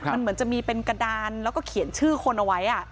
มันเหมือนจะมีเป็นกระดานแล้วก็เขียนชื่อคนเอาไว้